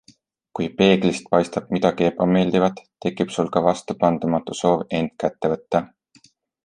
Kui peeglist paistab midagi ebameeldivat, tekib sul ka vastupandamatu soov end kätte võtta.